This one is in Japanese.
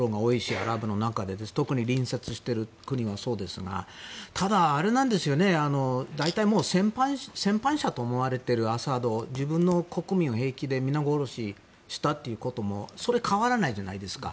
アラブの中で特に隣接している国がそうですがただ、大体戦犯者と思われているアサドが自分の国民を平気で皆殺しにしたということそれは変わらないじゃないですか。